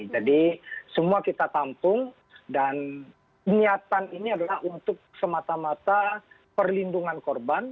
jadi semua kita tampung dan niatan ini adalah untuk semata mata perlindungan korban